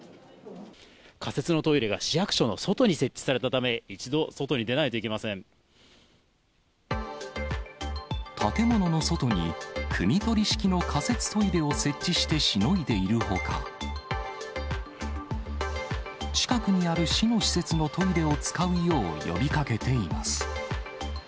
仮設のトイレが市役所の外に設置されたため、一度、外に出な建物の外に、くみ取り式の仮設トイレを設置してしのいでいるほか、近くにある市の施設のトイレを使うよう呼びかけています。